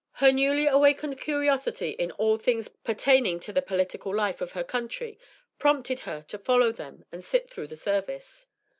Her newly awakened curiosity in all things pertaining to the political life of her country prompted her to follow them and sit through the service.